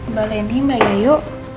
mbak lendi mbak gayu